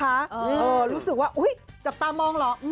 เราก็รู้สึกว่าจับตามองเหรอ